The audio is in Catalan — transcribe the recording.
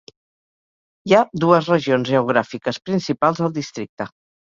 Hi ha dues regions geogràfiques principals al districte.